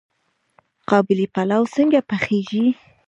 قابلي پلاو څنګه پخیږي؟